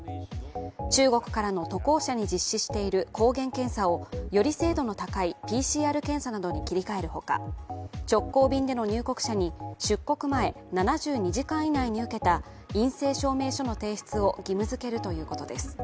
中国からの渡航者に実施している抗原検査をより精度の高いＰＣＲ検査などに切り替えるほか直行便での入国者に出国前７２時間以内に受けた陰性証明書の提出を義務づけるということです。